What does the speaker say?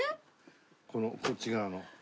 このこっち側の。